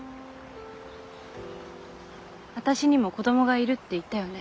私にも子供がいるって言ったよね。